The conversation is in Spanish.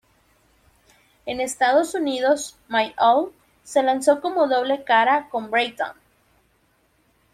En Estados Unidos "My All" se lanzó cómo doble cara con "Breakdown".